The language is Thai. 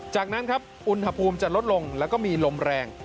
จากนั้นครับอุณหภูมิจะลดลงแล้วก็มีลมแรง